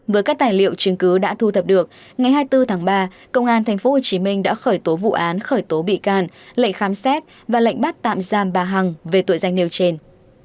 với các tài liệu chứng cứ đã thu thập được ngày hai mươi bốn tháng ba công an tp hcm đã khởi tố vụ án khởi tố bị can lệnh khám xét và lệnh bắt tạm giam bà hằng về tội danh nêu trên